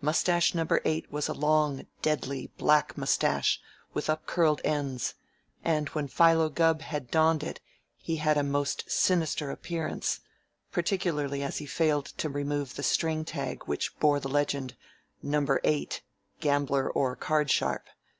Mustache Number Eight was a long, deadly black mustache with up curled ends, and when Philo Gubb had donned it he had a most sinister appearance, particularly as he failed to remove the string tag which bore the legend, "Number Eight. Gambler or Card Sharp.